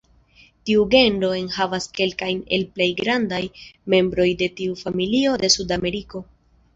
Tiu genro enhavas kelkajn el plej grandaj membroj de tiu familio de Sudameriko.